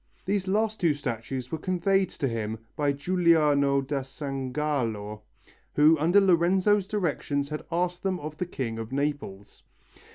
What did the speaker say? These last two statues were conveyed to him by Giuliano da Sangallo, who under Lorenzo's directions had asked them of the king of Naples.